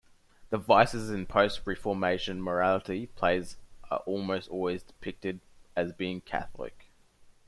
The Vices in post-Reformation morality plays are almost always depicted as being Catholic.